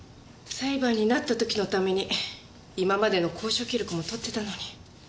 裁判になった時のために今までの交渉記録も取ってたのに。